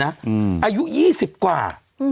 อายุ๒๐กว่า